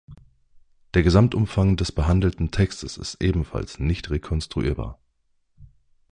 Der Gesamtumfang des behandelten Textes ist ebenfalls nicht rekonstruierbar.